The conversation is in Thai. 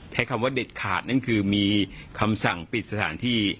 ใช้คำว่าเด็ดขาดนั่นคือมีคำสั่งปิดสถานที่